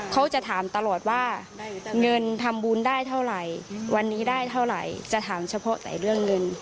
เขาจะถามตลอดว่าเงินทำบุญได้เท่าไหร่วันนี้ได้เท่าไหร่จะถามเฉพาะแต่เรื่องเงิน